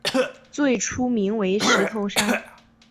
最初名为石头山。